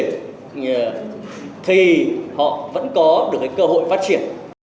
còn không ít doanh nghiệp việt nam không mấy hứng thú với cách thức phát triển